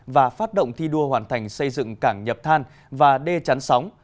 và phát động thi đua hoàn thành xây dựng cảng nhập than và đê chắn sóng